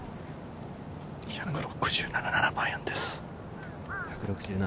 １６７、７番アイアンです。